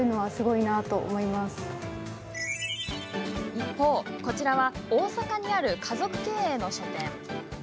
一方、こちらは大阪にある家族経営の書店。